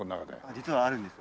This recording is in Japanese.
実はあるんです。